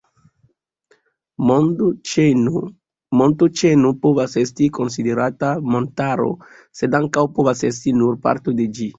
Montoĉeno povas esti konsiderata montaro, sed ankaŭ povas esti nur parto de ĝi.